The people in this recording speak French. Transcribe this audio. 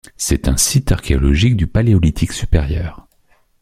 C'est un site archéologique du paléolithique supérieur.